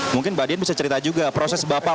mungkin mbak dian bisa cerita juga proses bapak